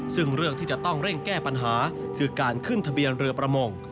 ซึ่งเรื่องที่จะต้องเร่งแก้ปัญหาคือการขึ้นทะเบียนเรือประมง